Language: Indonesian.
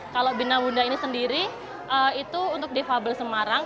kalau bina bunda ini sendiri itu untuk defable semarang